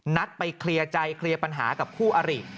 นัดไปเคลียร์ใจเคลียร์ปัญหากับคู่อริ